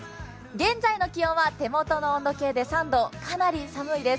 現在の気温は手元の温度計で３度、かなり寒いです。